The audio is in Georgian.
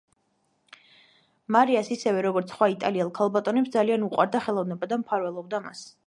მარიას ისევე, როგორც სხვა იტალიელ ქალბატონებს ძალიან უყვარდა ხელოვნება და მფარველობდა მას.